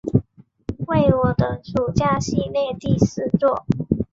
为我的暑假系列第四作。